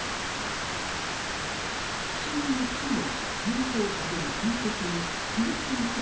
希少な種の人工下での繁殖に次々と成功している。